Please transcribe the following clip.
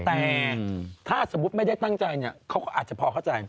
แต่ถ้าสมมุติไม่ได้ตั้งใจเนี่ยเขาก็อาจจะพอเข้าใจ